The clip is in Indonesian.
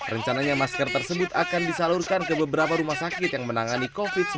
rencananya masker tersebut akan disalurkan ke beberapa rumah sakit yang menangani covid sembilan belas